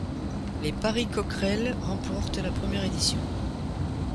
Les Paris Cockerels remporte la première édition.